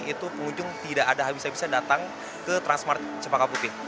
itu pengunjung tidak ada habis habisan datang ke transmart cepaka putih